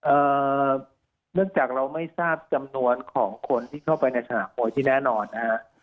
เนื่องจากเราไม่ทราบจำนวนของคนที่เข้าไปในสนามมวยที่แน่นอนนะฮะ